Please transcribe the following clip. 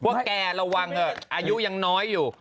แกระวังเถอะอายุยังน้อยอยู่